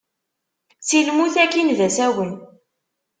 Si lmut akin d asawen.